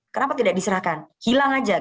kenapa tidak diserahkan hilang aja